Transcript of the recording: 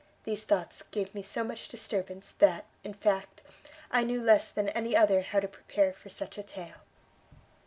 these thoughts gave me so much disturbance, that, in fact, I knew less than any other how to prepare you for such a tale."